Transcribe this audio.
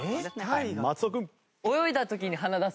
松尾君。